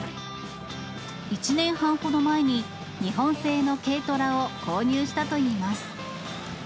１年半ほど前に、日本製の軽トラを購入したといいます。